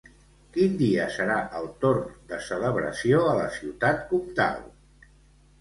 Quin dia serà el torn de celebració a la Ciutat Comtal?